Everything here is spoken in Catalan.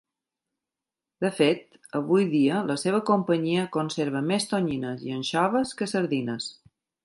De fet, avui dia la seva companyia conserva més tonyines i anxoves que sardines.